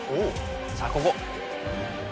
さあここ！